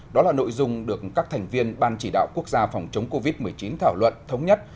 đó là nội dung được các thành viên ban chỉ đạo quốc gia phòng chống covid một mươi chín thảo luận thống nhất